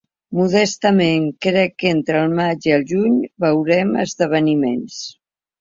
Modestament, crec que entre el maig i el juny veurem esdeveniments.